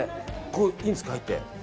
いいんですか、入って。